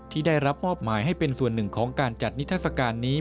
ที่ได้รับมอบหมายให้เป็นส่วนหนึ่งของการจัดนิทัศกาลนี้